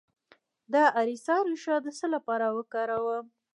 د اریسا ریښه د څه لپاره وکاروم؟